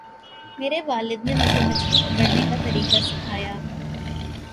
میرے والد نے مجھے مچھلی پکڑنے کا طریقہ سکھایا۔